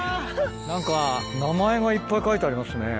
何か名前がいっぱい書いてありますね。